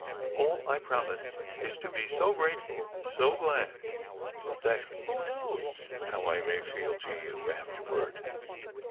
All I promise is to be so grateful, so glad, that who knows how I may feel to you after ward?